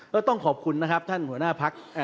ก็ต้องขอบคุณนะครับท่านหัวหน้าพัก